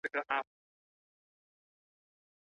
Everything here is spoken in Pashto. د لاس لیکنه د دې خوښۍ د احساسولو لاره ده.